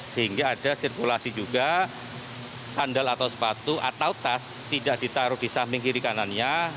sehingga ada sirkulasi juga sandal atau sepatu atau tas tidak ditaruh di samping kiri kanannya